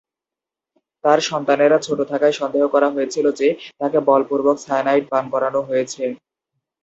তার সন্তানেরা ছোট থাকায়, সন্দেহ করা হয়েছিল যে, তাকে বলপূর্বক সায়ানাইড পান করানো হয়েছে।